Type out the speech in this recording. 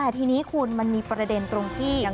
แต่ทีนี้คุณมันมีประเด็นตรงที่